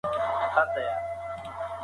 تاریخ اساساً یوه فردي او ځانګړې څانګه ده.